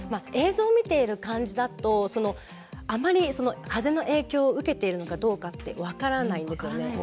映像を見ている感じだとあまり風の影響を受けているのかどうかって分からないんですよね。